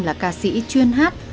là ca sĩ chuyên hát